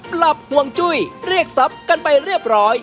ปรับห่วงจุ้ยเรียกทรัพย์กันไปเรียบร้อย